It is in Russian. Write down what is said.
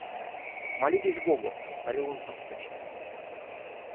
Молитесь Богу, — повторил он поспешно.